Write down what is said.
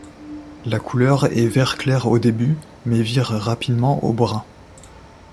La couleur est vert clair au début, mais vire rapidement au brun.